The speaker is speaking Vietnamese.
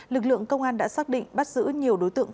lực lượng công an đã xác định bắt giữ nhiều đối tượng